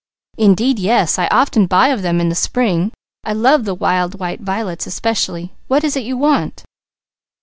"Indeed yes! I often buy of them in the spring. I love the wild white violets especially. What is it you want?"